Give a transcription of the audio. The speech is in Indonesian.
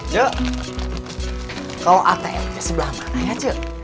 cuk kalau atm nya sebelah mana ya cuk